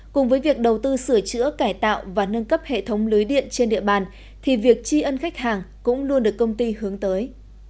cùng với việc đầu tư sửa chữa cải tạo và nâng cấp hệ thống lưới điện trên địa bàn thì việc tri ân khách hàng cũng luôn được công ty hướng tới